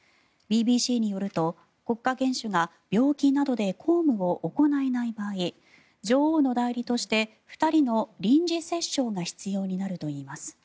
ＢＢＣによると国家元首が病気などで公務を行えない場合女王の代理として２人の臨時摂政が必要になるといいます。